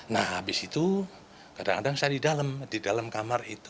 nah habis itu kadang kadang saya di dalam kamar itu